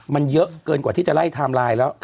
มันเยอะเกินกว่าที่จะไล่ไทม์ไลน์แล้ว